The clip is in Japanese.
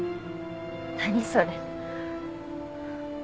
何それ。